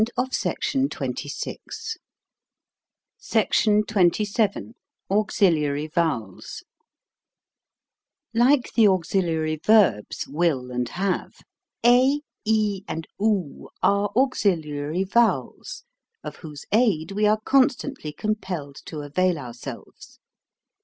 SECTION XXVII AUXILIARY VOWELS LIKE the auxiliary verbs "will" and "have," a, e, and do are auxiliary vowels, of whose aid we are constantly compelled to avail our selves.